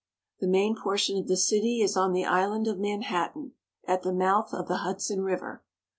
The main portion of the city is on the island of Manhattan, at the mouth of the Hudson River.